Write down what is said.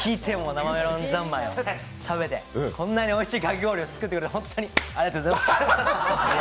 生メロン三昧を食べてこんなにおいしいかき氷作ってくれて、ありがとうございます。